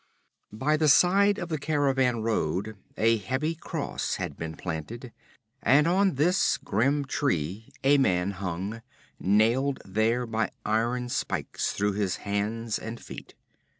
By the side of the caravan road a heavy cross had been planted, and on this grim tree a man hung, nailed there by iron spikes through his hands and feet.